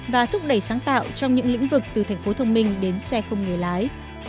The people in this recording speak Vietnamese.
và thúc đẩy sáng tạo trong những lĩnh vực từ thành phố thông minh đến xe không nghề lái